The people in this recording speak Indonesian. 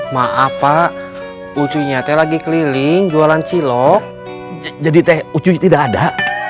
maaf pak ucunya teh lagi keliling jualan cilok jadi teh ucunya tidak ada